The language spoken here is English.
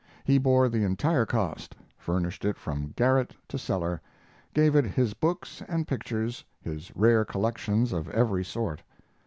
He bore the entire cost, furnished it from garret to cellar, gave it his books and pictures, his rare collections of every sort.